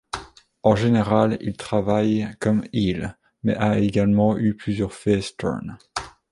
En général, ils travaillaient comme heel, mais a également eu plusieurs face turn.